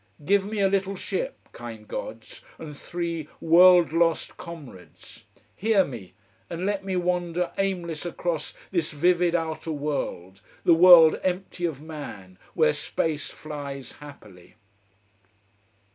Give me a little ship, kind gods, and three world lost comrades. Hear me! And let me wander aimless across this vivid outer world, the world empty of man, where space flies happily.